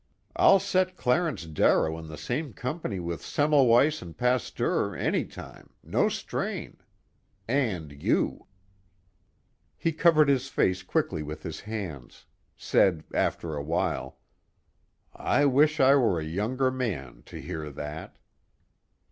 I'll set Clarence Darrow in the same company with Semmelweiss and Pasteur, any time, no strain. And you." He covered his face quickly with his hands; said after a while: "I wish I were a younger man, to hear that."